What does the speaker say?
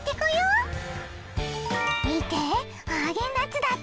見てハーゲンダッツだって。